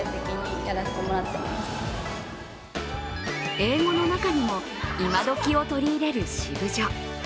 英語の中にも今どきを取り入れる、シブジョ。